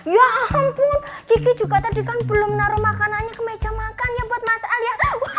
ya ampun kiki juga tadi kan belum naruh makanannya ke meja makan ya buat mas ali ya